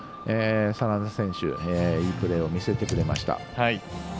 眞田選手、いいプレーを見せてくれました。